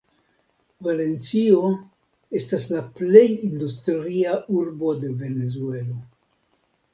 Valencio estas la plej industria urbo de Venezuelo.